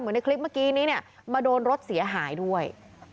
ในคลิปเมื่อกี้นี้เนี่ยมาโดนรถเสียหายด้วย